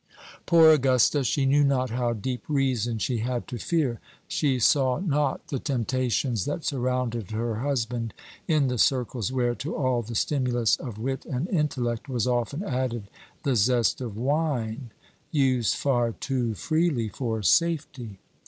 Poor Augusta! she knew not how deep reason she had to fear. She saw not the temptations that surrounded her husband in the circles where to all the stimulus of wit and intellect was often added the zest of wine, used far too freely for safety.